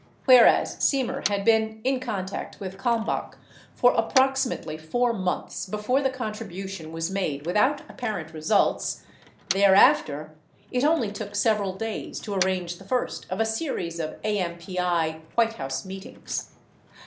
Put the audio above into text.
Whereas Semer had been in contact with Kalmbach for approximately 4 months before the con tribution was made without apparent results, thereafter it only took several days to arrange the first of a series of AMPI White House meetings.